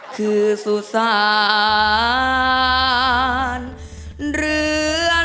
คือสุสานเรือ